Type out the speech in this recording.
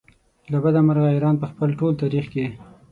له بده مرغه ایران په خپل ټول تاریخ کې.